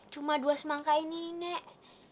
cuma dua semangka ini nih nek